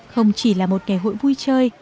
không chỉ là một ngày hội vui chơi